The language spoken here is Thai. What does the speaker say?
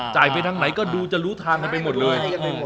จ่ายไปทางไหนก็ดูจะรู้ทางไปหมดเลย